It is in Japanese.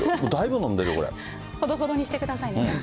ほどほどにしてくださいね。